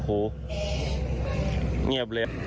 โอ้โหเงียบเลย